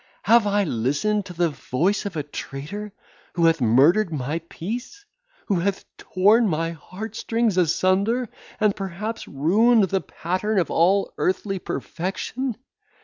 Have I listened to the voice of a traitor, who hath murdered my peace! who hath torn my heart strings asunder, and perhaps ruined the pattern of all earthly perfection.